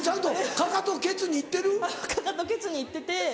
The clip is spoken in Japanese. かかとケツに行ってて。